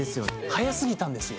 早すぎたんですよ。